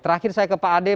terakhir saya ke pak ade